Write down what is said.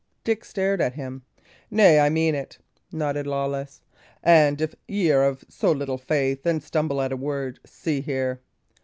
Dick stared at him. "Nay, I mean it," nodded Lawless. "And if y' are of so little faith, and stumble at a word, see here!"